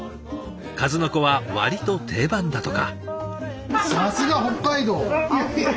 数の子は割と定番だとか。